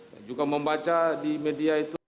saya juga membaca di media itu